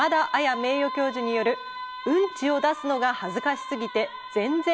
名誉教授による「うんちを出すのが恥ずかしすぎて全然出せない私」